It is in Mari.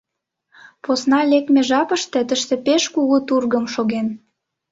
Посна лекме жапыште тыште пеш кугу тургым шоген.